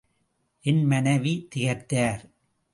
என் மனைவி திகைத்தார்.